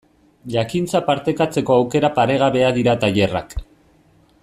Jakintza partekatzeko aukera paregabea dira tailerrak.